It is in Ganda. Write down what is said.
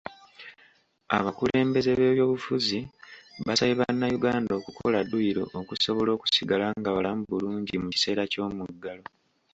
Abakulembeze b'ebyobufuzi basabye bannayuganda okukola dduyiro okusobola okusigala nga balamu bulungi mu kiseera ky'omuggalo.